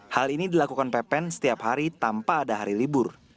hal ini dilakukan pepen setiap hari tanpa ada hari libur